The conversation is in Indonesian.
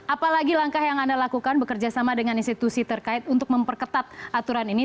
apalagi langkah yang anda lakukan bekerja sama dengan institusi terkait untuk memperketat aturan ini